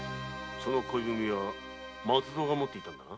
その恋文は松造が持っていたのだな。